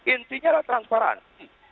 intinya adalah transparansi